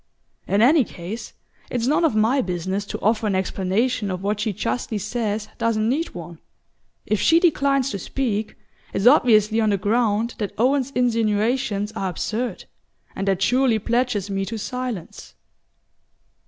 In any case, it's none of my business to offer an explanation of what she justly says doesn't need one. If she declines to speak, it's obviously on the ground that Owen's insinuations are absurd; and that surely pledges me to silence."